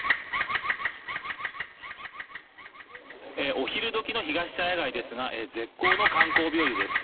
お昼どきのひがし茶屋街ですが、絶好の観光日和です。